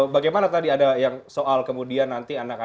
bagaimana tadi ada yang soal kemudian nanti anak anak